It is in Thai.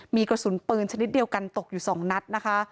มีกระสุนปืนชนิดเดียวกันตกอยู่๒นัดนะคะ